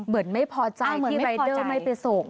เหมือนไม่พอใจที่รายเดอร์ไม่ไปส่ง